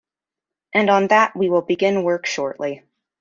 And on that we will begin work shortly.